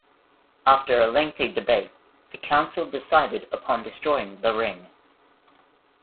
After a lengthy debate, the council decided upon destroying the Ring.